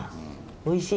おいしい？